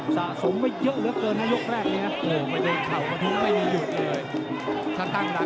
สะสมไปเยอะเหลือเกินในยกแรกนี้ฮะ